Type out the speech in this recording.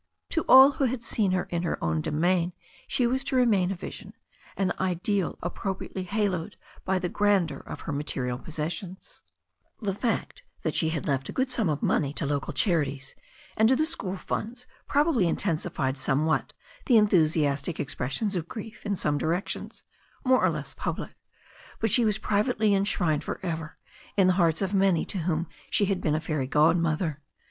To all who had seen her in her own domain she was to remain a vision, an ideal appro priately haloed by the grandeur of her material possessions. THE STORY OF A NEW ZEALAND MVER 285 The fact that she had left a good sum of money to local charities and to the school funds probably intensified some what the enthusiastic expressions of grief in some direc tionSy more or less public, but she was privately enshrined for ever in the hearts of many to whom she had been a fairy godmother.